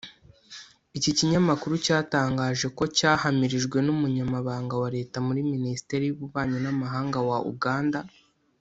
Iki kinyamakuru cyatangaje ko cyahamirijwe n’Umunyamabanga wa Leta muri Minisiteri y’Ububanyi n’Amahanga wa Uganda